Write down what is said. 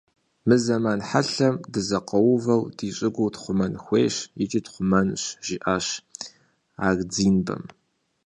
- Мы зэман хьэлъэм, дызэкъуэувэу, ди щӀыгур тхъумэн хуейщ икӀи тхъумэнущ, - жиӏащ Ардзинбэм.